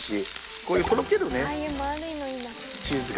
こういうとろけるねチーズが。